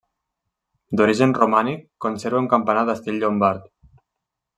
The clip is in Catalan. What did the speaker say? D'origen romànic, conserva un campanar d'estil llombard.